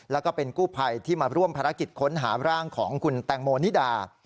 แล้วก็เป็นกู้ภัยที่มาร่วมภารกิจค้นหาร่างของคุณแตงโมนิดา